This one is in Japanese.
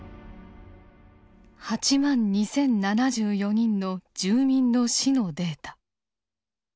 ８万２，０７４人の住民の死のデータ。